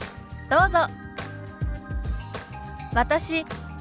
どうぞ。